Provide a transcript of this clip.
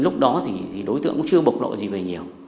lúc đó thì đối tượng cũng chưa bộc lộ gì về nhiều